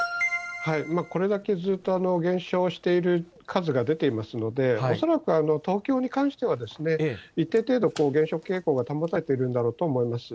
これだけずっと減少している数が出ていますので、恐らく東京に関しては一定程度、減少傾向が保たれているんだろうと思います。